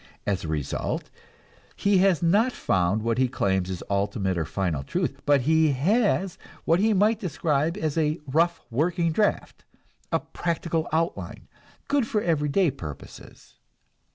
As a result, he has not found what he claims is ultimate or final truth; but he has what he might describe as a rough working draft, a practical outline, good for everyday purposes.